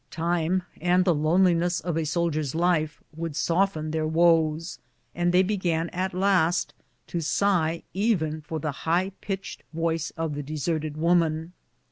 Time, and the loneliness of a sol dier's life, would soften their woes, and they began at last to sigh even for the high pitched voice of the de serted woman.